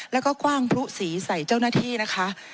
แล้วก็คว่างพลุสีใส่เจ้าหน้าที่นะคะ